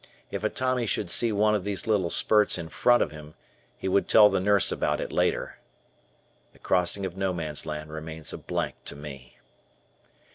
If a Tommy should see one of these little spurts in front of him, he would tell the nurse about it later. The crossing of No Man's Land remains a blank to me.